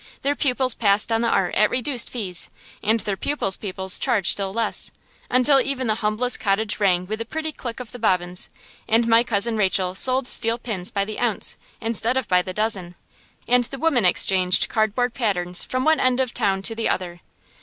Their pupils passed on the art at reduced fees, and their pupils' pupils charged still less; until even the humblest cottage rang with the pretty click of the bobbins, and my Cousin Rachel sold steel pins by the ounce, instead of by the dozen, and the women exchanged cardboard patterns from one end of town to the other.